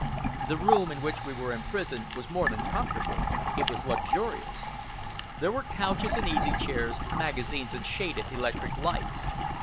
The room in which we were imprisoned was more than comfortable it was luxurious. There were couches and easy chairs, magazines and shaded electric lights.